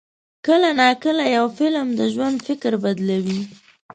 کله ناکله یو فلم د ژوند فکر بدلوي.